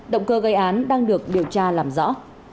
động cơ gây án đang được điều tra làm rõ